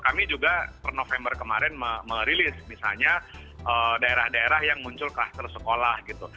kami juga per november kemarin merilis misalnya daerah daerah yang muncul klaster sekolah gitu